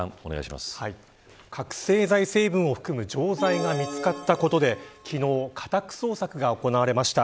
覚せい剤成分を含む錠剤が見つかったことで昨日、家宅捜索が行われました。